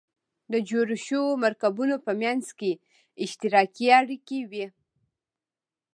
د جوړو شوو مرکبونو په منځ کې اشتراکي اړیکې وي.